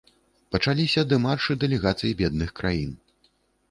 Пачаліся дэмаршы дэлегацый бедных краін.